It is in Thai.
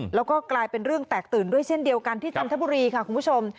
แล้วก็กลายเป็นเรื่องแตกตื่นด้วยเช่นเดียวกันที่จันทบุรีค่ะคุณผู้ชม